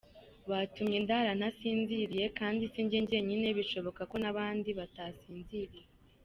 Byatumye ndara ntasinziriye kandi si njye njyenyine bishoboka ko n’abandi batasinziriye.